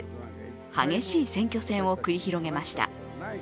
激しい選挙戦を繰り広げました。